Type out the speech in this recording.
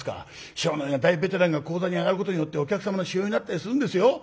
師匠のような大ベテランが高座に上がることによってお客様の指標になったりするんですよ。